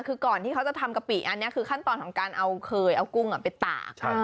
คือก่อนที่เขาจะทำกะปิอันนี้คือขั้นตอนของการเอาเคยเอากุ้งไปตาก